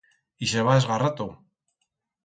Ixe va esgarrato